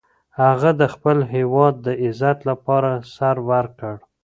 هغه د خپل هیواد د عزت لپاره سر ورکړ.